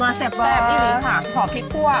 แปบนี้เลยค่ะขอพริกขั้ว